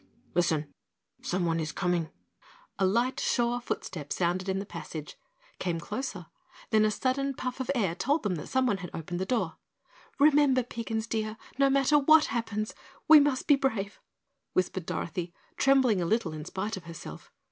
"Listen! Someone is coming." A light sure footstep sounded in the passage came closer, then a sudden puff of air told them that someone had opened the door. "Remember, Piggins dear, no matter what happens, we must be brave," whispered Dorothy, trembling a little in spite of herself.